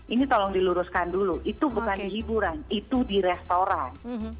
ini tolong diluruskan dulu itu bukan di hiburan itu di restoran